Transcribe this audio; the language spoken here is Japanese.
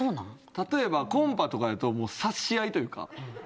例えばコンパとかやともう察し合いというか。